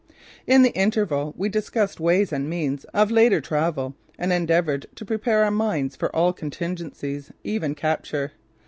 In the interval we discussed ways and means of later travel and endeavoured to prepare our minds for all contingencies, even capture.